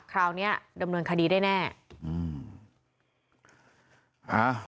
คราวนี้ดำเนินคดีได้แน่อืมอ่า